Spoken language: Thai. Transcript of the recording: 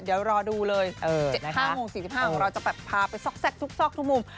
เดี๋ยวรอดูเลย๗๕โมง๔๕ของเราจะแบบพาไปซอกทุกซอกทุกมุม